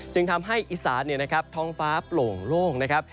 จึงทำให้อีสานท้องฟ้าโปร่งโล่งนะครับ